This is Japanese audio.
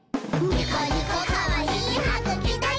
ニコニコかわいいはぐきだよ！」